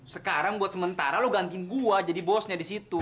sekarang buat sementara lo gantiin gue jadi bosnya di situ